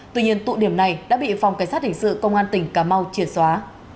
tuy nhiên tụ điểm này đã bị phòng cảnh sát hình sự công an tỉnh cà mau triệt xóa